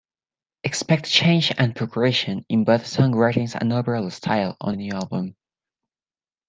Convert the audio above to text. Expect change and progression, in both songwriting and overall style, on the new album.